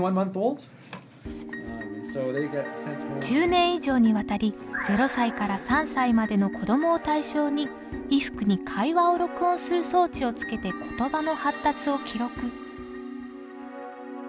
１０年以上にわたり０歳から３歳までの子どもを対象に衣服に会話を録音する装置をつけて言葉の発達を記録。